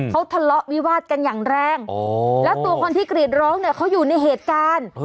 เขาทะเลาะวิวาดกันอย่างแรงแล้วตัวคนที่กรีดร้องเนี่ยเขาอยู่ในเหตุการณ์